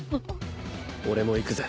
俺も行くぜ。